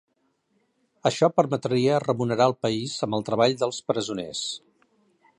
Això permetria remunerar al país amb el treball dels presoners.